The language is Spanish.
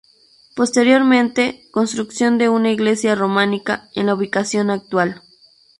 Posteriormente, construcción de una iglesia románica en la ubicación actual.